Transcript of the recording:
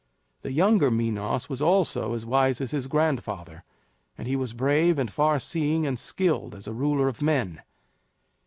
The younger Minos was almost as wise as his grandfather; and he was brave and far seeing and skilled as a ruler of men.